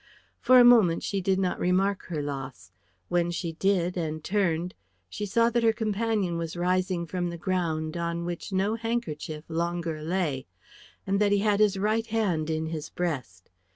For a moment she did not remark her loss; when she did and turned, she saw that her companion was rising from the ground on which no handkerchief longer lay, and that he had his right hand in his breast.